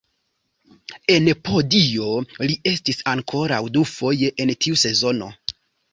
En podio li estis ankoraŭ dufoje en tiu sezono.